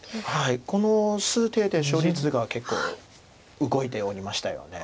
この数手で勝率が結構動いておりましたよね。